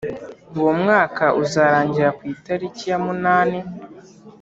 uwo mwaka uzarangira ku itariki ya munani